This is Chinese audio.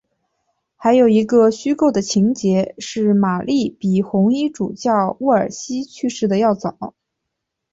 还有一个虚构的情节是玛丽比红衣主教沃尔西去世的要早。